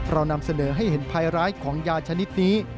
เรานำเสนอให้เห็นภัยร้ายของยาชนิดนี้